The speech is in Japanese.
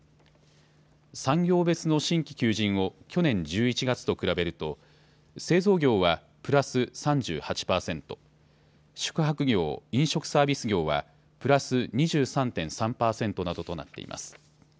産業別の新規求人を去年１１月と比べると製造業はプラス３８％、宿泊業・飲食サービス業はプラス２３．３％などとなっています。